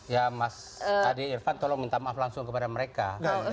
ya mas adi irfan tolong minta maaf langsung kepada mereka